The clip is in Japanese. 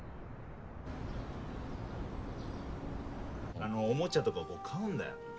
あのおもちゃとかこう買うんだよ。